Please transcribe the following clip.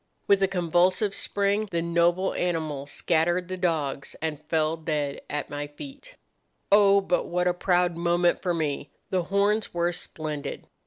With a convulsive spring the noble animal scattered the dogs and fell dead at my feet. "Oh, but what a proud moment for me! The horns were splendid.